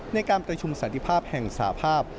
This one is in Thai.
ในการประชุมสันติภาพแห่งสาภาพ